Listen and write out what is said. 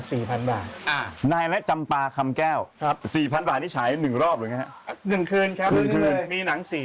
มีหนังสี่เรื่อง